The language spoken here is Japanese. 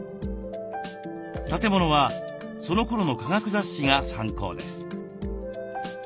建物はそのころの科学雑誌が参考です。